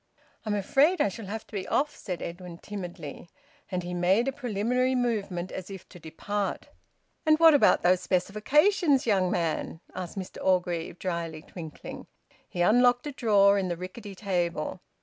"I'm afraid I shall have to be off," said Edwin timidly. And he made a preliminary movement as if to depart. "And what about those specifications, young man?" asked Mr Orgreave, drily twinkling. He unlocked a drawer in the rickety table.